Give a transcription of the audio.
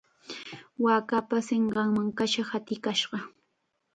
Waakapa sinqanman kasha hatikashqa.